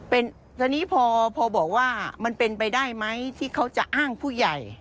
เป็นตอนนี้พอบอกว่ามันเป็นไปได้ไหมที่เขาจะอ้างผู้ใหญ่